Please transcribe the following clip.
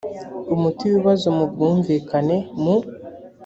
umuti w ibibazo mu bwumvikane mu